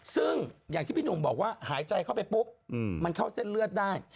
ซึ่งอย่างที่พี่หนุ่มบอกว่าหายใจเข้าไปปุ๊บมันเข้าเส้นเลือดได้